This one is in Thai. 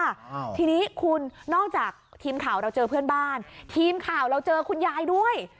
อ่าทีนี้คุณนอกจากทีมข่าวเราเจอเพื่อนบ้านทีมข่าวเราเจอคุณยายด้วย